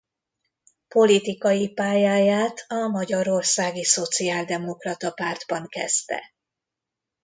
Politikai pályáját a Magyarországi Szociáldemokrata Pártban kezdte.